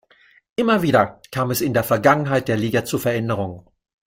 Immer wieder kam es in der Vergangenheit der Liga zu Veränderungen.